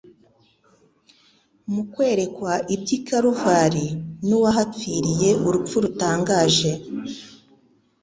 Mu kwerekwa iby'i Kaluvari n'uwahapfiriye urupfu rutangaje,